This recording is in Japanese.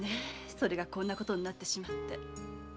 それがこんなことになってしまって。